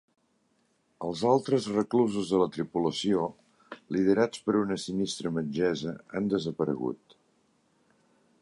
Els altres reclusos de la tripulació, liderats per una sinistra metgessa, han desaparegut.